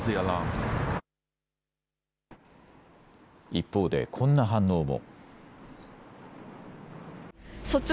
一方でこんな反応も。